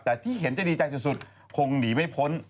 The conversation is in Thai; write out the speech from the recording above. แต่ที่เห็นจะดีใจสุดคงหนีไม่พ้น